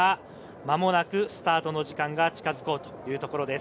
間もなくスタートの時間が近づこうというところです。